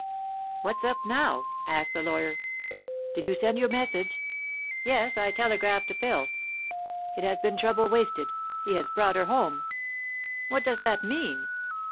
"What's up now?" asked the lawyer. "Did you send your message?" "Yes; I telegraphed to Phil." "It has been trouble wasted. He has brought her home." "What does that mean?"